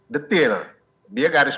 detail dia garis